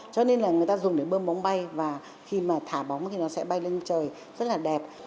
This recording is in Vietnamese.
cho nên là người ta dùng để bơm bóng bay và khi mà thả bóng thì nó sẽ bay lên trời rất là đẹp